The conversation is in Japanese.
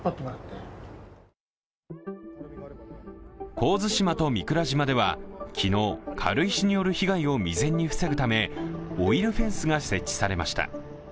神津島と御蔵島では昨日、軽石による被害を未然に防ぐため、オイルフェンスが設置されました。